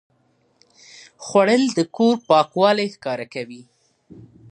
خوړل د کور پاکوالی ښکاره کوي